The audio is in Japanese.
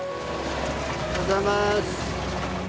おはようございます。